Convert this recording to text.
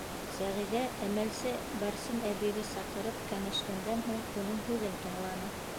Сәғиҙә, әмәлсе Барсын әбейҙе саҡырып кәңәшкәндән һуң, уның һүҙен тыңланы.